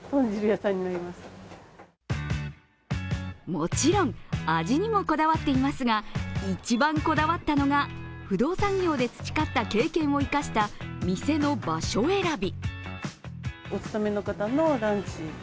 もちろん味にもこだわっていますが、一番こだわったのが不動産業で培った経験を生かした店の場所選び。